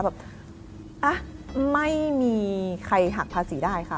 แบบไม่มีใครหักภาษีได้ค่ะ